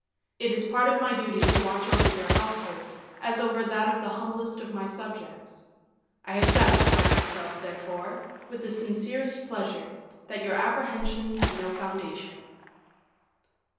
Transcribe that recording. It is part of my duty to watch over your household, as over that of the humblest of my subjects. I have satisfied myself, therefore, with the sincerest pleasure, that your apprehensions have no foundation."